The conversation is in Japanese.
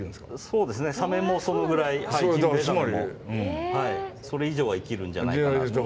そうですねサメもそのぐらいジンベエザメもそれ以上は生きるんじゃないかなと。